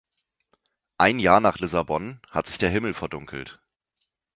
Ein Jahr nach Lissabon hat sich der Himmel verdunkelt.